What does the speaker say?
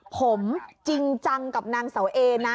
ผมจริงจังกับนางเสาเอนะ